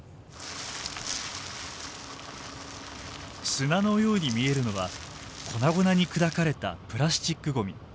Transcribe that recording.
砂のように見えるのは粉々に砕かれたプラスチックごみ。